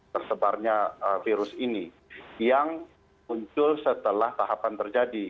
tersebarnya virus ini yang muncul setelah tahapan terjadi